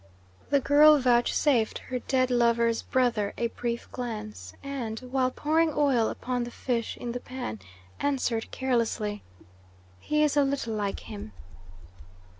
The girl vouchsafed her dead lover's brother a brief glance, and, while pouring oil upon the fish in the pan, answered carelessly: "He is a little like him."